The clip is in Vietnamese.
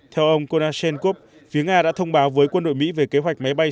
theo ông konashenkov phía nga đã thông báo với quân đội mỹ về kế hoạch máy bay